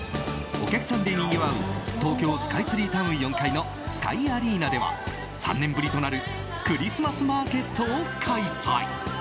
お客さんでにぎわう東京スカイツリータウン４階のスカイアリーナでは３年ぶりとなるクリスマスマーケットを開催。